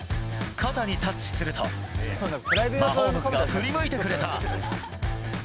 肩にタッチすると、マホームズが振り向いてくれた。